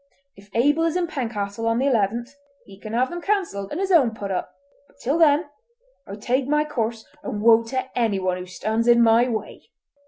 If Abel is in Pencastle on the eleventh, he can have them cancelled, and his own put up; but till then, I take my course, and woe to anyone who stands in my way!"